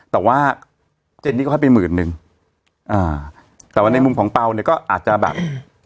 แต่ว่าเจนนี่ก็ให้ไปหมื่นนึงอ่าแต่ว่าในมุมของเปล่าเนี่ยก็อาจจะแบบ